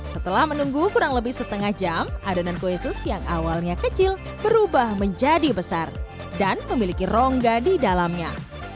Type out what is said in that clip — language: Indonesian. setelah menunggu kurang lebih setengah jam adonan kue sus yang awalnya kecil berubah menjadi besar dan memiliki rongga di dalamnya